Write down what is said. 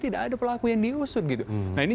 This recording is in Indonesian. tidak ada pelaku yang diusut gitu nah ini